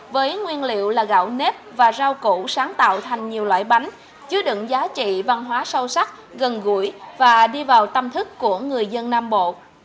với nguyên liệu là gạo nếp và rau củ sáng tạo thành nhiều loại bánh chứa đựng giá trị văn hóa sâu sắc gần gũi và đi vào tâm thức của người dân nam bộ